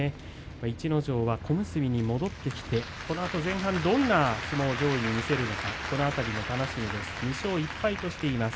逸ノ城は小結に戻ってきてこのあとどんな相撲を見せるのか楽しみです。